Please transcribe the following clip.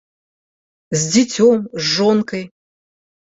З дзіцём, з жонкай.